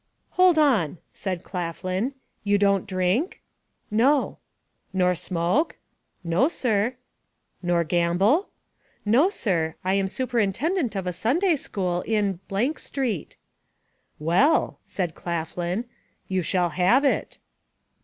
"Hold on," said Claflin. "You don't drink?" "No." "Nor smoke?" "No sir." "Nor gamble?" "No sir; I am superintendent of a Sunday school, in street." "Well," said Claflin, "you shall have it."